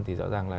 thì rõ ràng là